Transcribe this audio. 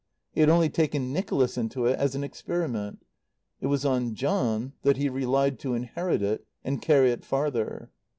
He had only taken Nicholas into it as an experiment. It was on John that he relied to inherit it and carry it farther.